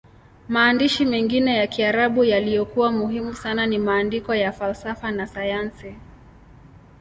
Maandishi mengine ya Kiarabu yaliyokuwa muhimu sana ni maandiko ya falsafa na sayansi.